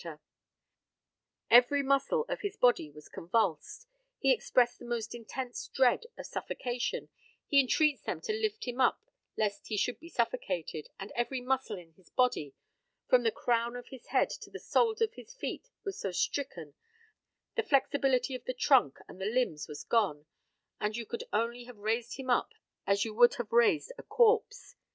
Every muscle, says the witness, the medical man who was present at the time every muscle of his body was convulsed he expressed the most intense dread of suffocation he entreats them to lift him up lest he should be suffocated and every muscle of his body, from the crown of his head to the soles of his feet, was so stricken the flexibility of the trunk and the limbs was gone and you could only have raised him up as you would have raised a corpse.